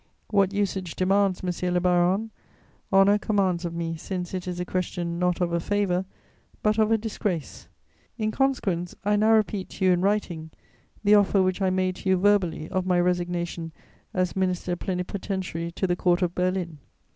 What usage demands, monsieur le baron, honour commands of me, since it is a question, not of a favour, but of a disgrace. In consequence, I now repeat to you in writing the offer which I made to you verbally of my resignation as Minister Plenipotentiary to the Court of Berlin.